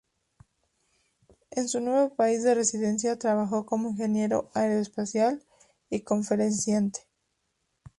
En su nuevo país de residencia trabajó como ingeniero aeroespacial y conferenciante.